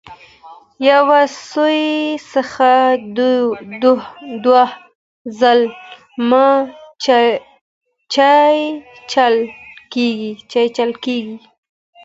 یوه سوري څخه دوه ځله مه چیچل کیږئ.